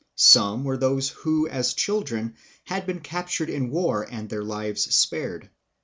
Some were those who as children had been captured in war and their lives spared.